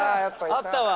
「あったわ」